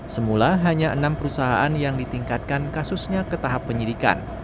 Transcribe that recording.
semula hanya enam perusahaan yang ditingkatkan kasusnya ke tahap penyidikan